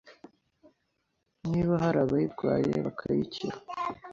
Niba hari abayirwaye bakayikira,